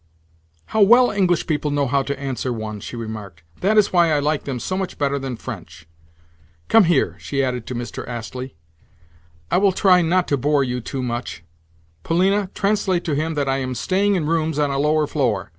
"How well English people know how to answer one!" she remarked. "That is why I like them so much better than French. Come here," she added to Mr. Astley. "I will try not to bore you too much. Polina, translate to him that I am staying in rooms on a lower floor.